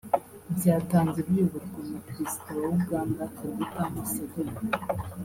byatangiye biyoborwa na Perezida wa Uganda Kaguta Museveni